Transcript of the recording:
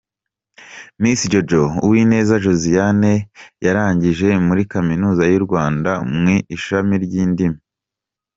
Miss Jojo: Uwinze Josianne yarangije muri Kaminuza y’u Rwanda mu ishami ry’indimi.